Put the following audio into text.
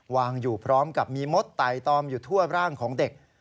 วางอยู่พร้อมกับมีมดไตตอมอยู่ทั่วร่างของเด็ก